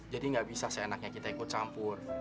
jadi nggak bisa seenaknya kita ikut campur